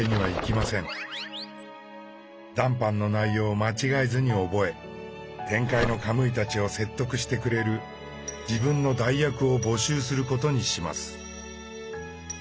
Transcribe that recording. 談判の内容を間違えずに覚え天界のカムイたちを説得してくれる自分の代役を募集することにします。